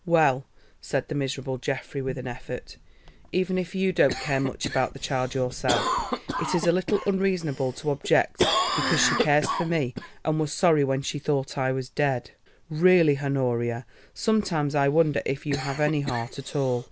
"Well," said the miserable Geoffrey, with an effort, "even if you don't care much about the child yourself, it is a little unreasonable to object because she cares for me and was sorry when she thought that I was dead. Really, Honoria, sometimes I wonder if you have any heart at all.